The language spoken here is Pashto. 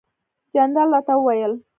جنرال راته وویل.